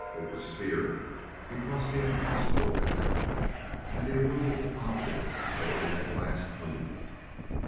It was fear because the impossible had happened and the immovable object had been at last moved.